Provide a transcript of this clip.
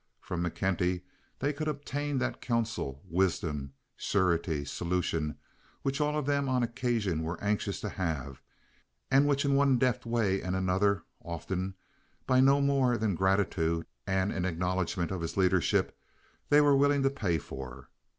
From McKenty they could obtain that counsel, wisdom, surety, solution which all of them on occasion were anxious to have, and which in one deft way and another—often by no more than gratitude and an acknowledgment of his leadership—they were willing to pay for.